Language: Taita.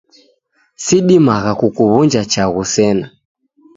Sidimagha kukuw'unja chaghu sena.